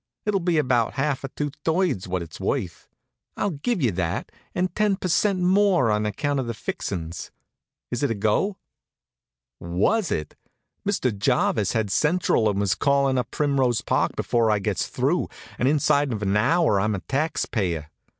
It'll be about half or two thirds what it's worth. I'll give you that, and ten per cent. more on account of the fixin's. Is it a go?" Was it? Mr. Jarvis had central and was callin' up Primrose Park before I gets through, and inside of an hour I'm a taxpayer.